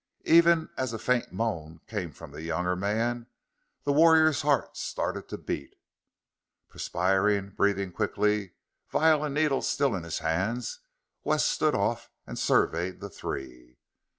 Even as a faint moan came from the younger man, the warrior's heart started to beat. Perspiring, breathing quickly, vial and needle still in his hands, Wes stood off and surveyed the three.